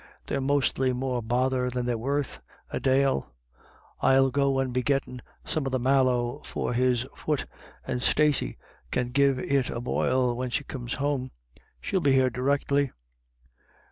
They're mostly more bother than they're worth — a dale. Til go and be gittin' some of the mallow for his fut, and Stacey can give it a boil when she comes home. She'll be here directly."